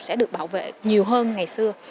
sẽ được bảo vệ nhiều hơn ngày xưa